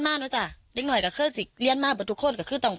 มาเนอะจ้ะนิดหน่อยก็คือจิกเรียนมาแบบทุกคนก็คือต้อง